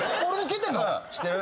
知ってる？